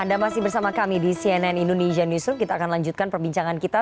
anda masih bersama kami di cnn indonesia newsroom kita akan lanjutkan perbincangan kita